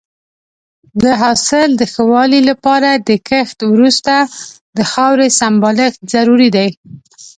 د حاصل د ښه والي لپاره د کښت وروسته د خاورې سمبالښت ضروري دی.